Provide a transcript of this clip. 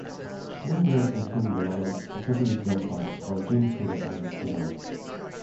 Bonebrake and Tony Morales contributed drum parts, while Gene Taylor added piano.